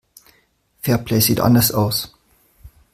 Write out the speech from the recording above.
Fairplay sieht anders aus.